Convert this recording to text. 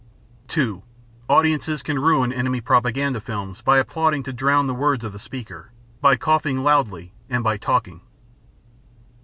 (2) Audiences can ruin enemy propaganda films by applauding to drown the words of the speaker, by coughing loudly, and by talking.